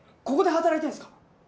ここで働いてんですか？